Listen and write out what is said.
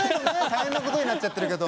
大変なことになっちゃってるけど。